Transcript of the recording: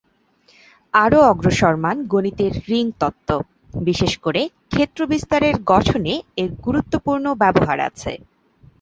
আরও অগ্রসরমান গণিতের রিং তত্ত্ব, বিশেষ করে ক্ষেত্র বিস্তারের গঠনে এর গুরুত্বপূর্ণ ব্যবহার আছে।